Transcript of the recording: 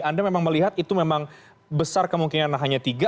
anda memang melihat itu memang besar kemungkinan hanya tiga